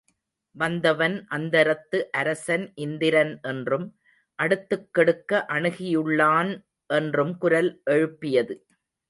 வந்தவன் அந்தரத்து அரசன் இந்திரன் என்றும், அடுத்துக் கெடுக்க அணுகியுள்ளான் என்றும் குரல் எழுப்பியது.